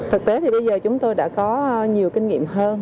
thực tế thì bây giờ chúng tôi đã có nhiều kinh nghiệm hơn